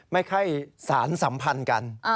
ไม่ค่อยสารสัมพันธ์กัน